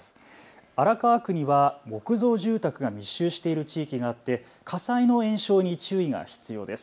荒川区には木造住宅が密集している地域があって火災の延焼に注意が必要です。